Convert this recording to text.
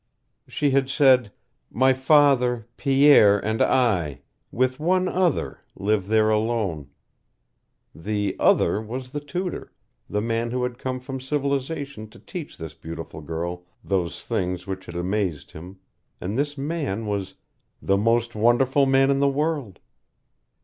She had said, "My father, Pierre, and I, WITH ONE OTHER, live there alone." The OTHER was the tutor, the man who had come from civilization to teach this beautiful girl those things which had amazed him, and this man was THE MOST WONDERFUL MAN IN THE WORLD.